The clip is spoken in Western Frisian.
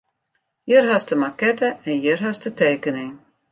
Hjir hast de makette en hjir hast de tekening.